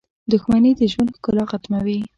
• دښمني د ژوند ښکلا ختموي.